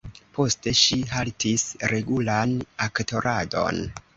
Poste, ŝi haltis regulan aktoradon.